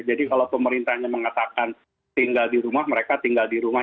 jadi kalau pemerintahnya mengatakan tinggal di rumah mereka tinggal di rumah